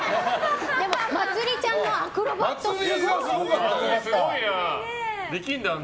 でも、まつりちゃんのアクロバットすごいですね。